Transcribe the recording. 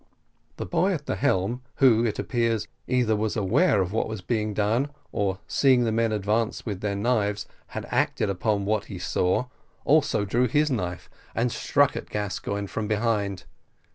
The boy at the helm, who, it appeared, either was aware of what was to be done, or seeing the men advance with their knives, had acted upon what he saw, also drew his knife and struck at Gascoigne from behind.